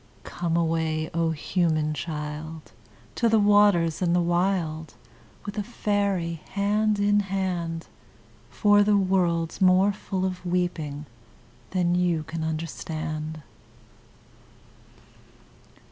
Come away, O human child! To the waters and the wild With a faery, hand in hand, For the world's more full of weeping than you can understand.